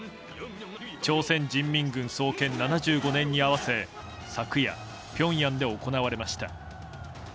朝鮮人民軍創建７５年に合わせ昨夜、ピョンヤンで行われました。